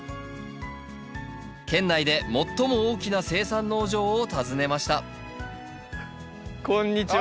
県内で最も大きな生産農場を訪ねましたこんにちは。